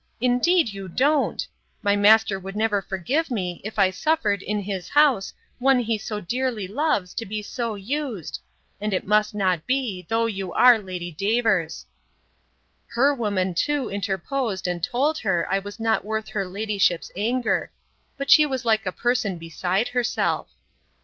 Indeed you don't! My master would never forgive me, if I suffered, in his house, one he so dearly loves, to be so used; and it must not be, though you are Lady Davers. Her woman too interposed, and told her, I was not worth her ladyship's anger. But she was like a person beside herself.